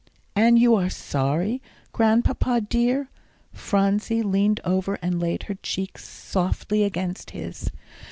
"And you are sorry, Grandpapa dear?" Phronsie leaned over and laid her cheek softly against his.